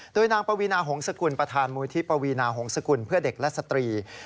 โดยนางปวีนาหงษกุลประธานมูลที่ปวีนาหงษกุลเพื่อเด็กและสตรี